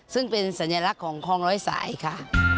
ซึ่งเป็นสัญลักษณ์ของคลองร้อยสายค่ะ